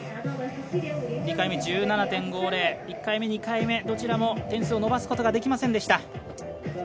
２回目、１７．５０１回目、２回目、どちらも点数を伸ばすことはできませんでした。